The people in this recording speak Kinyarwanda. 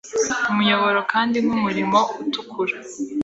Umuyoboro Kandi nkumuriro utukura